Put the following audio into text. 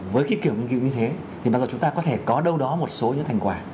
với cái kiểu nghiên cứu như thế thì bao giờ chúng ta có thể có đâu đó một số những thành quả